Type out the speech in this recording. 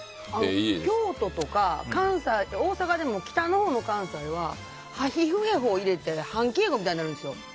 京都とか大阪でも北のほうの関西ははひふへほを入れて半敬語みたいになるんです。